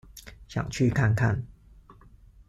想去看看